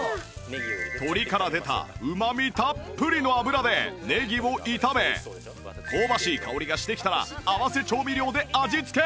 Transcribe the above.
鶏から出たうまみたっぷりの脂でネギを炒め香ばしい香りがしてきたら合わせ調味料で味付け！